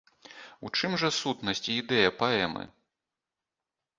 У чым жа сутнасць і ідэя паэмы?